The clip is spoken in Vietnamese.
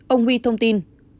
ông huy thông tin